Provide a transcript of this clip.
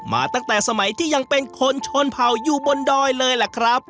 ตั้งแต่สมัยที่ยังเป็นคนชนเผ่าอยู่บนดอยเลยล่ะครับ